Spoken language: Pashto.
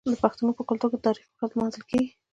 د پښتنو په کلتور کې د تاریخي ورځو لمانځل کیږي.